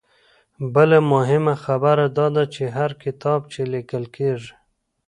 بله مهمه خبره دا ده چې هر کتاب چې ليکل کيږي